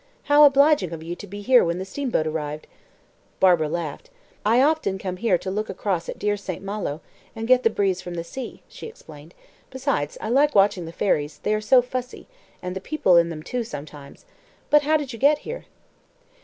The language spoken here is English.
How obliging of you to be here when the steamboat arrived." Barbara laughed. "I often come here to look across at dear St. Malo, and get the breeze from the sea," she explained. "Besides, I like watching the ferries, they are so fussy and the people in them too, sometimes. But how did you get here?"